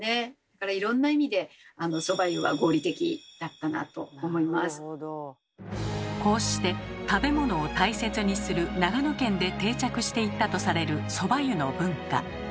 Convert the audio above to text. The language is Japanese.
だからいろんな意味でこうして食べ物を大切にする長野県で定着していったとされるそば湯の文化。